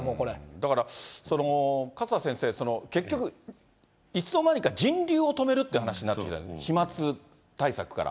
だから、勝田先生、結局、いつの間にか人流を止めるって話になってる、飛まつ対策から。